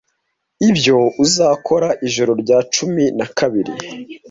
Ibyo Uzakora Ijoro rya cumi na kabiri